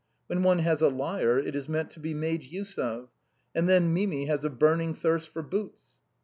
When one has a lyre it is meant to be made use of. And then Mimi has a burning thirst for boots."